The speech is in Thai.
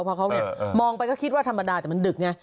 พอเขามองไปก็คิดว่าธรรมดาแต่มันดึกไง